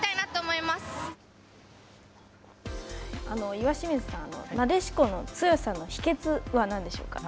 岩清水さん、なでしこの強さの秘けつはなんでしょうか。